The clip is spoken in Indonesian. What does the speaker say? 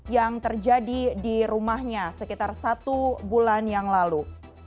yang terjadi di rumahnya sekitar satu bulan yang lalu